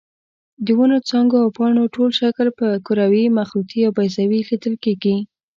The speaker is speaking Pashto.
د ونو څانګو او پاڼو ټول شکل په کروي، مخروطي او بیضوي لیدل کېږي.